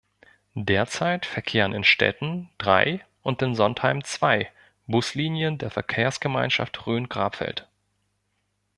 Derzeit verkehren in Stetten drei und in Sondheim zwei Buslinien der Verkehrsgemeinschaft Rhön-Grabfeld.